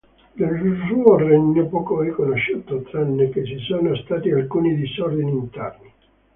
Del suo regnò poco è conosciuto, tranne che ci sono stati alcuni disordini interni.